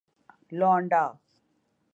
لونڈا